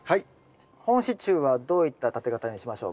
本支柱はどういった立て方にしましょうか？